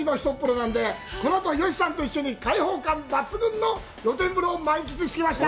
なので、このあとは、吉さんと一緒に開放感抜群の露天風呂を満喫しました。